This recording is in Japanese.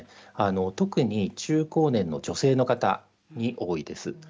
特に、中高年の女性の方に多いです。